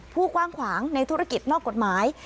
กว้างขวางในธุรกิจนอกกฎหมาย